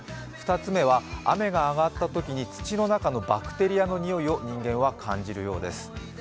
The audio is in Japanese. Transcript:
２つ目は、雨があがったときの土の中のバクテリアのにおいを人間は感じるようです。